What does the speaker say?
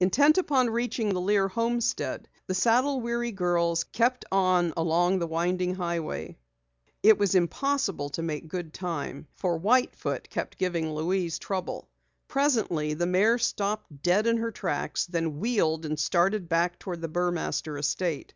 Intent upon reaching the Lear homestead, the saddle weary girls kept on along the winding highway. It was impossible to make good time for White Foot kept giving Louise trouble. Presently the mare stopped dead in her tracks, then wheeled and started back toward the Burmaster estate.